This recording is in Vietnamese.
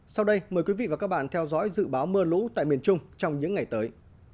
sau đây mời quý vị và các bạn theo dõi dự báo mưa lũ tại miền trung trong những ngày tới